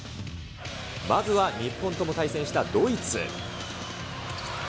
まずは日本とも対戦したドイツ。